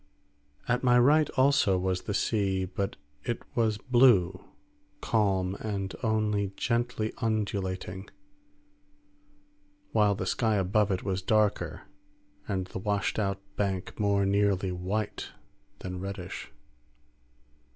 At my right also was the sea, but it was blue, calm, and only gently undulating, while the sky above it was darker and the washed out bank more nearly white than reddish.